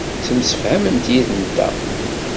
Ttemsefhament yid-nteɣ.